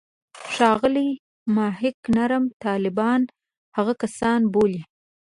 ښاغلی محق نرم طالبان هغه کسان بولي.